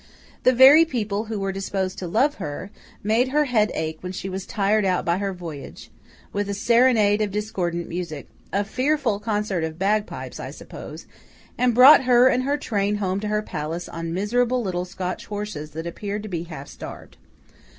The very people who were disposed to love her, made her head ache when she was tired out by her voyage, with a serenade of discordant music—a fearful concert of bagpipes, I suppose—and brought her and her train home to her palace on miserable little Scotch horses that appeared to be half starved.